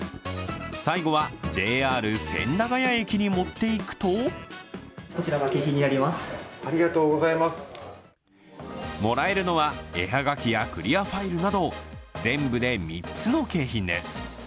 最後はＪＲ千駄ヶ谷駅に持っていくともらえるのは絵はがきやクリアファイルなど全部で３つの景品です。